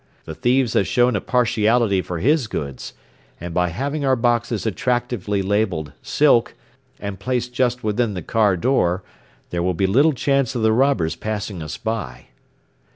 The thieves have shown a partiality for his goods; and by having our boxes attractively labelled 'SILK,' and placed just within the car door, there will be little chance of the robbers passing us by."